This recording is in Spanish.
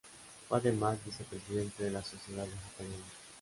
Fue además vicepresidente de la Sociedad Vegetariana.